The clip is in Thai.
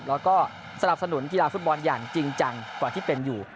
แล้วก็สนับสนุนกีฬาฟุตบอลอย่างจริงจังกว่าที่เป็นอยู่